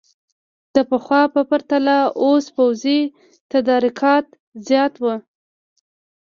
د پخوا په پرتله اوس پوځي تدارکات زیات وو.